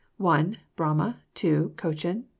Brahma. 2. Cochin.